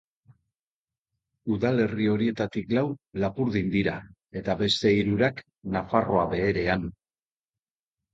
Udalerri horietatik lau Lapurdin dira, eta beste hirurak Nafarroa Beherean.